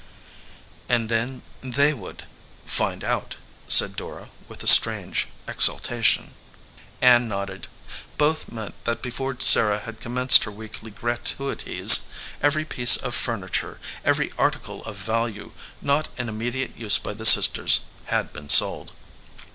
"And then they would find out said Dora, with a strange exultation. Ann nodded. Both meant that before Sarah had commenced her weekly gratuities, every piece of furniture, every article of value, not in immediate VALUE RECEIVED use by the sisters, had been sold.